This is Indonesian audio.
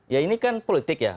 ya ini kan politik ya